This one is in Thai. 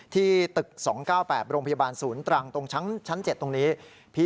ที่ตึก๒๙๘โรงพยาบาลศูนย์ตรังตรงชั้น๗ตรงนี้